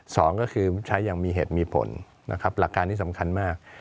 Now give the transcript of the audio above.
สองก็คือใช้อย่างมีเหตุมีผลนะครับหลักการที่สำคัญมาก